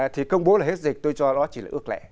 thì công bố là hết dịch tôi cho nó chỉ là ước lẻ